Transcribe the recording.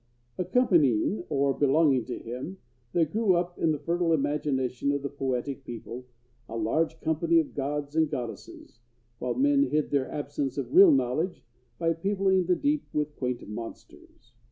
Accompanying, or belonging to him, there grew up, in the fertile imagination of that poetic people, a large company of gods and goddesses, while men hid their absence of real knowledge by peopling the deep with quaint monsters.